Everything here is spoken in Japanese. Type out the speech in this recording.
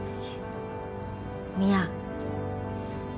宮。